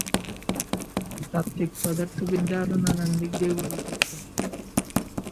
তাত্ত্বিক পদার্থবিদ্যা আরো নানান দিক নিয়ে গড়ে উঠেছে।